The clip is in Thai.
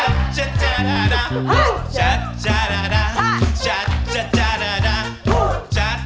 พ่ออยากฟังเสียงพ่ออยากฟังเสียงพ่อ